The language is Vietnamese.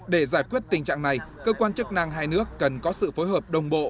để giải quyết tình trạng này cơ quan chức năng hai nước cần có sự phối hợp đồng bộ